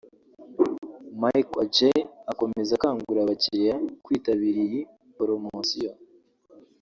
Michael Adjei akomeza akangurira abakiriya kwitabira iyi poromosiyo